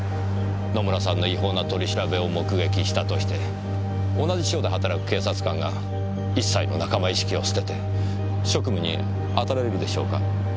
野村さんの違法な取り調べを目撃したとして同じ署で働く警察官が一切の仲間意識を捨てて職務にあたれるでしょうか。